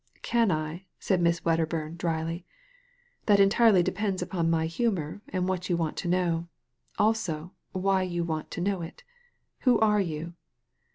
"Can I?" said Miss Weddcrburn, dryly. "That entirely depends upon my humour and what you want to know. Also, why you what to know it Who are you?"